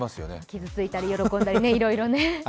傷ついたり喜んだりいろいろね。